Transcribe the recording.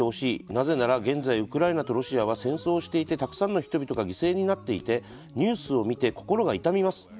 なぜなら現在ウクライナとロシアは戦争をしていてたくさんの人々が犠牲になっていてニュースを見て心が痛みます。